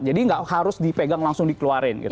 jadi nggak harus dipegang langsung dikeluarin gitu ya